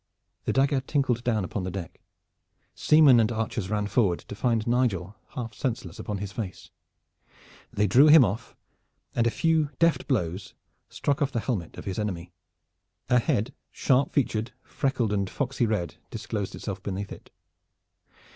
The dagger tinkled down upon the deck. Seamen and archers ran forward, to find Nigel half senseless upon his face. They drew him off, and a few deft blows struck off the helmet of his enemy. A head, sharp featured, freckled and foxy red, disclosed itself beneath it.